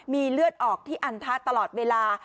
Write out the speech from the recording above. มีเลือดออกที่อันทะตลอดเวลา